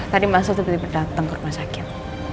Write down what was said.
tadi masa tiba tiba dateng ke rumah sakit